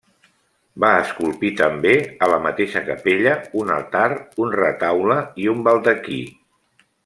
Va esculpir també, a la mateixa capella, un altar, un retaule i un baldaquí.